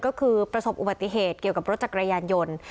ก็คือประสบอุบัติเหตุเกี่ยวกับรถจักรยานยนต์